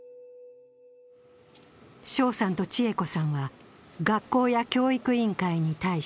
翔さんと千栄子さんは学校や教育委員会に対し